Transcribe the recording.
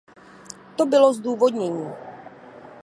To bylo zdůvodnění.